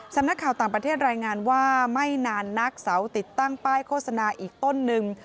สำนักข่าวต่างประเทศรายงานว่าไม่นานนักเสาติดตั้งป้ายโฆษณาอีกต้นหนึ่ง